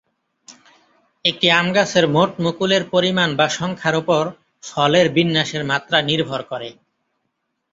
একটি আম গাছের মোট মুকুলের পরিমাণ বা সংখ্যার ওপর ফলের বিন্যাসের মাত্রা নির্ভর করে।